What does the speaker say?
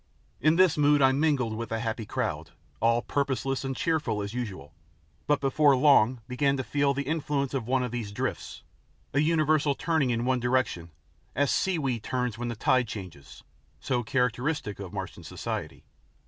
In this mood I mingled with a happy crowd, all purposeless and cheerful as usual, but before long began to feel the influence of one of those drifts, a universal turning in one direction, as seaweed turns when the tide changes, so characteristic of Martian society.